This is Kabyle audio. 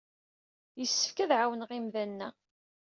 Yessefk ad ɛawneɣ imdanen-a.